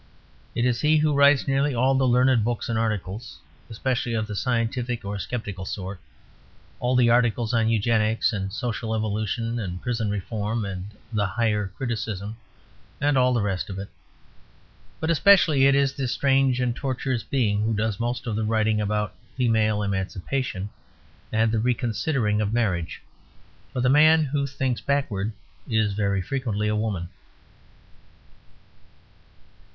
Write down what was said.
It is he who writes nearly all the learned books and articles, especially of the scientific or skeptical sort; all the articles on Eugenics and Social Evolution and Prison Reform and the Higher Criticism and all the rest of it. But especially it is this strange and tortuous being who does most of the writing about female emancipation and the reconsidering of marriage. For the man who thinks backwards is very frequently a woman.